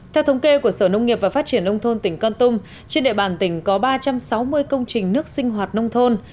theo thống kê của sở nông nghiệp và phát triển nông thôn tỉnh con tum trên địa bàn tỉnh có ba trăm sáu mươi công trình nước sinh hoạt nông thôn